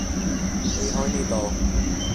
離開呢度